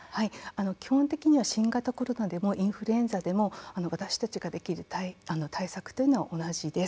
基本的には新型コロナでもインフルエンザでも、私たちができる対策というのは同じです。